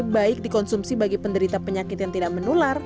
baik dikonsumsi bagi penderita penyakit yang tidak menular